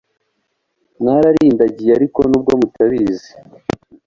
Mwararindagiye ariko nubwo mutabizi